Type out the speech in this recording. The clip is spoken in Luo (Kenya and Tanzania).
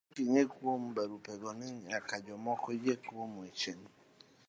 Gimachielo monego ing'e kuom barupego en ni nyaka jok moko yie gi wecheni